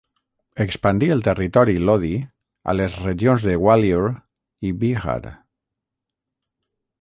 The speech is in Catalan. Expandí el territori Lodi a les regions de Gwalior i Bihar.